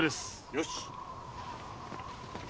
よし。